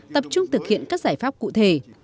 tập trung thực hiện các giải pháp cụ thể